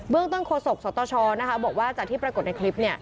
เรื่องต้นโฆษกสตชบอกว่าจากที่ปรากฏในคลิป